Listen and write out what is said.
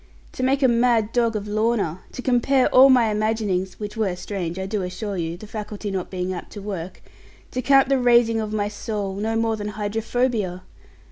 To make a mad dog of Lorna, to compare all my imaginings (which were strange, I do assure you the faculty not being apt to work), to count the raising of my soul no more than hydrophobia!